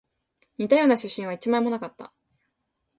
似たような写真は一枚もなかった